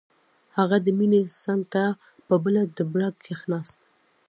هغه د مينې څنګ ته په بله ډبره کښېناست.